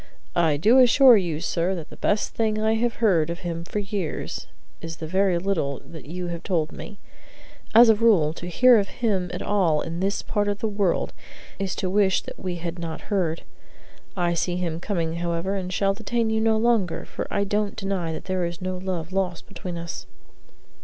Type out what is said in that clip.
I do assure you, sir, that the best thing I have heard of him for years is the very little that you have told me. As a rule, to hear of him at all in this part of the world, is to wish that we had not heard. I see him coming, however, and shall detain you no longer, for I don't deny that there is no love lost between us."